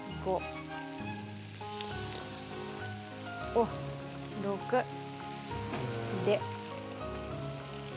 おっ６。で。